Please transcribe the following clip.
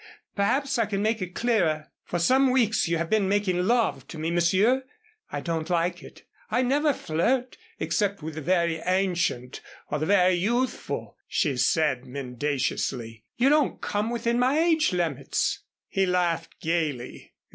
Perhaps I can make it clearer. For some weeks you have been making love to me, Monsieur. I don't like it. I never flirt, except with the very ancient or the very youthful," she said mendaciously. "You don't come within my age limits." He laughed gayly.